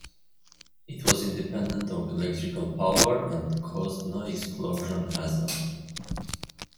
It was independent of electrical power, and caused no explosion hazard.